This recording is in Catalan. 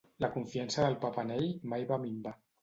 La confiança del Papa en ell mai va minvar.